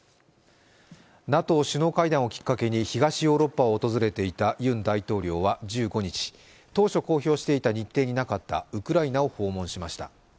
ＮＡＴＯ首脳会談をきっかけに東ヨーロッパを訪れていたユン大統領は、１５日、当初公表していた日程になかったウクライナを訪問しました。